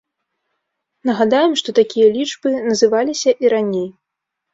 Нагадаем, што такія лічбы называліся і раней.